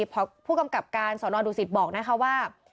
พอผู้กำกับการสอนอดุสิตบอกนะคะว่า